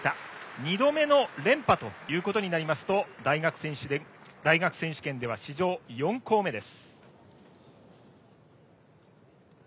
２度目の連覇ということになりますと大学選手権では史上４校目です。